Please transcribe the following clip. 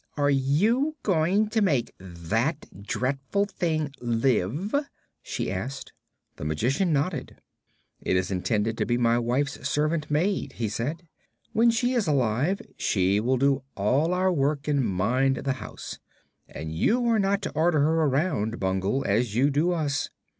"Are you going to make that dreadful thing live?" she asked. The Magician nodded. "It is intended to be my wife's servant maid," he said. "When she is alive she will do all our work and mind the house. But you are not to order her around, Bungle, as you do us.